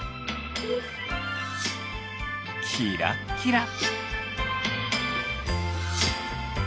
キラッキラ。